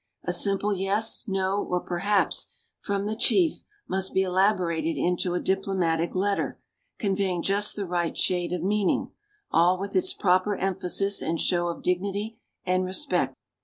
A simple "Yes," "No" or "Perhaps" from the chief must be elaborated into a diplomatic letter, conveying just the right shade of meaning, all with its proper emphasis and show of dignity and respect.